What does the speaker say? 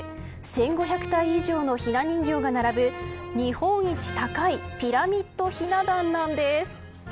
１５００体以上のひな人形が並ぶ日本一高いピラミッドひな壇なんです。